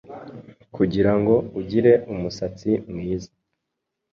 kugirango ugire umusatsi mwiza